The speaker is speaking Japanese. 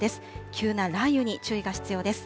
急な雷雨に注意が必要です。